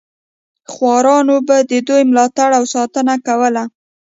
خوارانو به د دوی ملاتړ او ساتنه کوله.